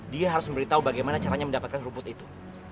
dia harus memberitahu bagaimana caranya mendapatkan rumput itu